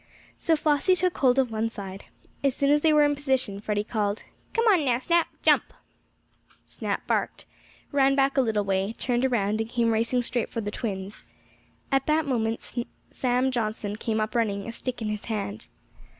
So Flossie took hold of one side. As soon as they were in position, Freddie called: "Come on now, Snap. Jump!" Snap barked, ran back a little way, turned around and came racing straight for the twins. At that moment Sam Johnson came up running, a stick in his hand.